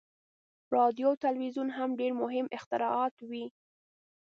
• راډیو او تلویزیون هم مهم اختراعات وو.